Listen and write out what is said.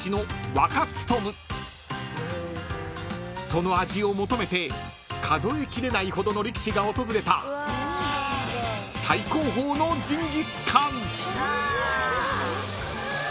［その味を求めて数えきれないほどの力士が訪れた最高峰のジンギスカン］